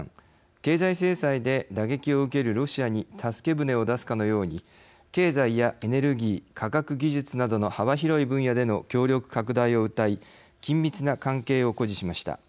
経済制裁で打撃を受けるロシアに助け船を出すかのように経済やエネルギー科学技術などの幅広い分野での協力拡大をうたい緊密な関係を誇示しました。